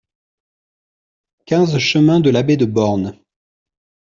quinze chemin de l'Abbé de Born